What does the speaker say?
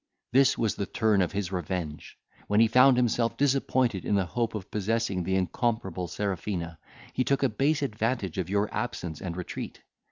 This was the turn of his revenge! when he found himself disappointed in the hope of possessing the incomparable Serafina, he took a base advantage of your absence and retreat.